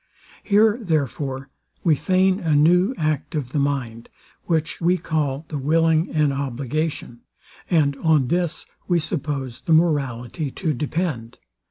Here, therefore, we feign a new act of the mind, which we call the willing an obligation; and on this we suppose the morality to depend.